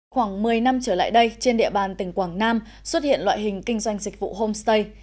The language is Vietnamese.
khoảng một mươi năm trở lại đây trên địa bàn tỉnh quảng nam xuất hiện loại hình kinh doanh dịch vụ homestay